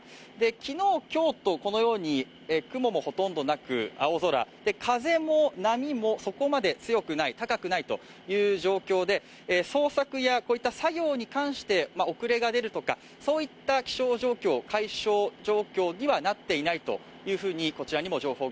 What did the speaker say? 昨日、今日とこのように雲もほとんどなく青空、風も波もそこまで強くない、高くないという状況で、捜索や作業に関して遅れが出るとかいった気象状況、海しょう状況にはなっていません。